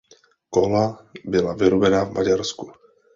Kola byla vyrobena v Maďarsku.